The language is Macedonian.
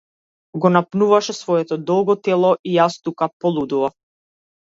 Го напнуваше своето долго тело и јас тука полудував.